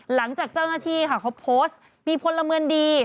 หลังจากเจ้าหน้าที่ค่ะเขาโพสต์มีพลเมืองดี